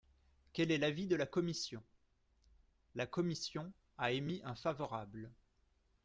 Quel est l’avis de la commission ? La commission a émis un favorable.